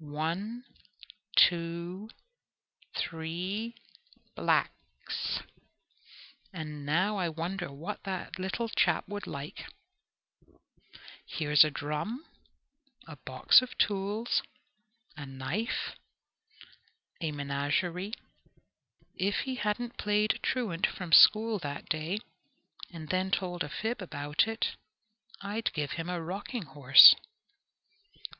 "One, two, three, blacks! Now I wonder what that little chap would like here's a drum, a box of tools, a knife, a menagerie. If he hadn't played truant from school that day, and then told a fib about it, I'd give him a rocking horse."